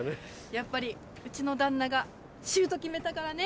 やっぱりうちの旦那がシュート決めたからね。